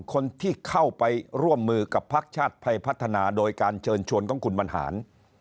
คนที่เข้าไปร่วมมือกับพักชาติไทยพัฒนาโดยการเชิญชวนของคุณบรรหาร